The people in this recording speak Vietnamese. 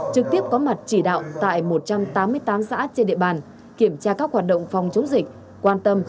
trực tiếp có mặt chỉ đạo tại một trăm tám mươi tám xã trên địa bàn kiểm tra các hoạt động phòng chống dịch quan tâm